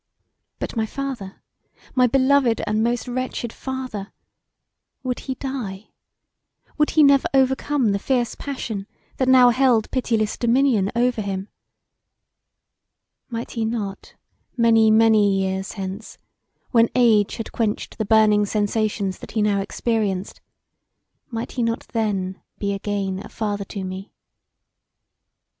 But my father; my beloved and most wretched father? Would he die? Would he never overcome the fierce passion that now held pityless dominion over him? Might he not many, many years hence, when age had quenched the burning sensations that he now experienced, might he not then be again a father to me?